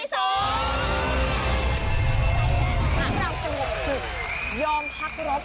เราจะหมดผิดยอมพักรบ